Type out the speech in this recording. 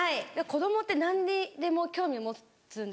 子供って何にでも興味を持つんですけど。